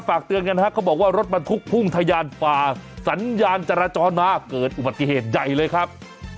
ฝากเตือนกันฮะเขาบอกว่ารถบรรทุกพุ่งทะยานฝ่าสัญญาณจราจรมาเกิดอุบัติเหตุใหญ่เลยครับ